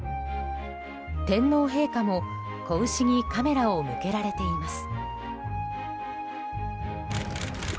天皇陛下も子牛にカメラを向けられています。